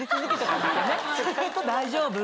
大丈夫？